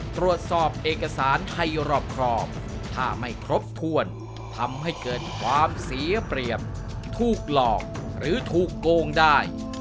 ตรวจสอบเอกสารให้รอบครองถ้าไม่ครบถ้วนทำให้เกิดความเสียเปรียบถูกหลอกหรือถูกโกงได้